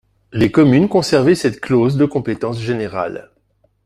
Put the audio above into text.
Les communes conservaient cette clause de compétence générale.